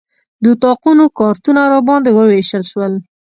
د اتاقونو کارتونه راباندې ووېشل شول.